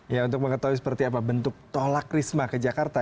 ya untuk mengetahui seperti apa bentuk tolak risma ke jakarta